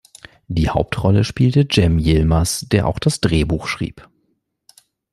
Die Hauptrolle spielte Cem Yılmaz, der auch das Drehbuch schrieb.